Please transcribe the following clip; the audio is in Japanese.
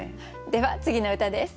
では次の歌です。